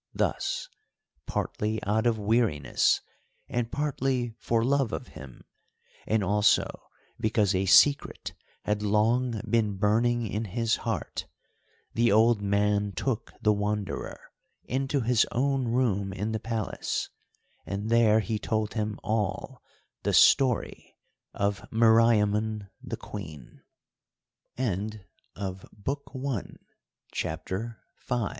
Thus, partly out of weariness, and partly for love of him, and also because a secret had long been burning in his heart, the old man took the Wanderer into his own room in the Palace, and there he told him all the story of Meriamun the Queen. CHAPTER VI. THE STORY OF MERIA